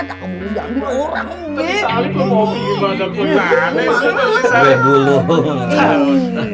takut bisa ambil orang